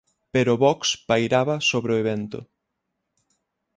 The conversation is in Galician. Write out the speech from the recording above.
Pero Vox pairaba sobre o evento.